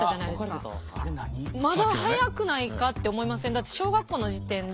だって小学校の時点で。